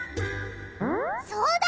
そうだ！